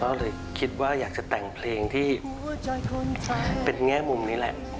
ก็เลยคิดว่าอยากจะแต่งเพลงที่เป็นแง่มุมนี้แหละ